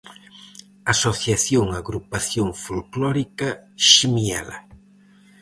Asociación-agrupación folclórica Ximiela.